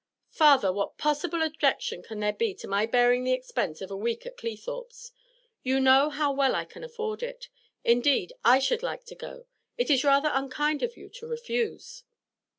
'Father, what possible objection can there be to my bearing the expense of a week at Cleethorpes? You know how well I can afford it; indeed I should like to go; it is rather unkind of you to refuse.'